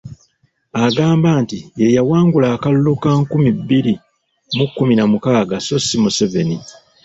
Agamba nti ye yawangula akalulu ka nkumi bbiri mu kkumi na mukaaga sso si Museveni.